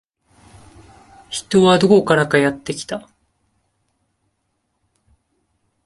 人はどこからかやってきた